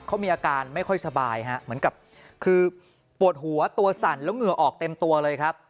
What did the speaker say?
เขามีอาการไม่ค่อยสบายฮะเหมือนกับคือปวดหัวตัวสั่นแล้วเหงื่อออกเต็มตัวเลยครับ